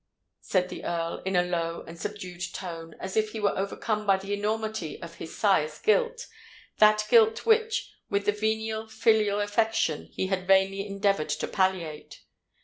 said the Earl, in a low and subdued tone, as if he were overcome by the enormity of his sire's guilt—that guilt which, with a venial filial affection, he had vainly endeavoured to palliate.